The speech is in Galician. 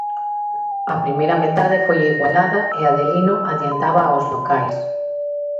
A primeira metade foi igualada, e Adelino adiantaba aos locais.